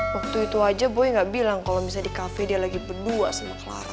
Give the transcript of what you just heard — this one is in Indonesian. waktu itu aja gue gak bilang kalau misalnya di cafe dia lagi berdua sama clara